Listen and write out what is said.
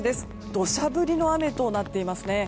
土砂降りの雨となっていますね。